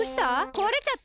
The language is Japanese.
こわれちゃった？